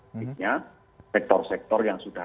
artinya sektor sektor yang sudah